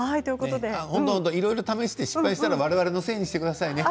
いろいろ試して失敗したら我々のせいにしてくださいね。